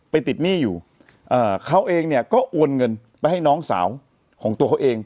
ติดหนี้อยู่เขาเองเนี่ยก็โอนเงินไปให้น้องสาวของตัวเขาเอง